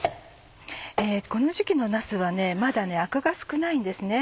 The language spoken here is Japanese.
この時期のなすはまだアクが少ないんですね。